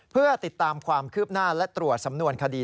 เพื่อติดตามความคืบหน้าและตรวจสำนวนคดี